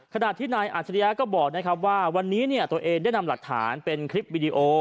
ขณะที่นายอัจฉริยะก็บอกนะครับว่าวันนี้ตัวเองได้นำหลักฐานเป็นคลิปวิดีโอ